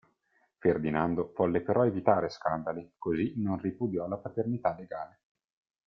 Ferdinando volle però evitare scandali, così non ripudiò la paternità legale.